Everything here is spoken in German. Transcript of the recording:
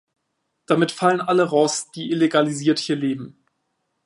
Damit fallen alle raus, die illegalisiert hier leben.